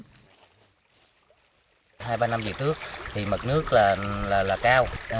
hai ba năm dự trữ thì mực nước là cao